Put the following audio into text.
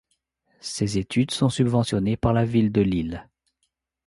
Ses études sont subventionnées par la ville de Lille.